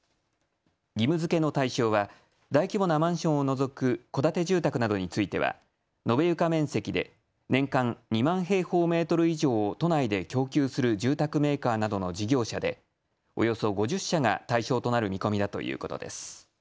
義務づけの対象は大規模なマンションを除く戸建て住宅などについては延べ床面積で年間２万平方メートル以上を都内で供給する住宅メーカーなどの事業者でおよそ５０社が対象となる見込みだということです。